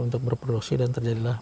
untuk berproduksi dan terjadilah